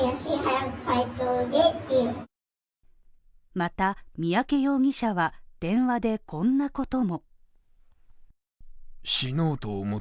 また、三宅容疑者は電話でこんなことも。